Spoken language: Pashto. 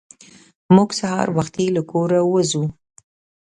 موږ سهار وختي له کوره وځو.